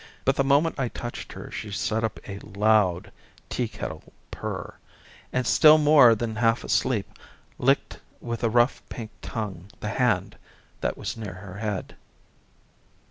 But the moment I touched her she set up a loud tea kettle purr, and still more than half asleep, licked with a rough pink tongue the hand that was near her head.